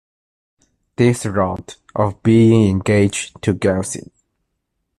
This rot of being engaged to Gussie.